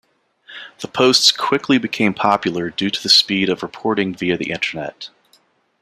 The posts quickly became popular due to the speed of reporting via the Internet.